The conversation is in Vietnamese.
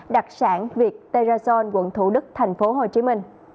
đặc sản việt terrazone quận thủ đức tp hcm